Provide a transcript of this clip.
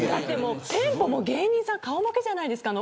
テンポも芸人さん顔負けじゃないですか。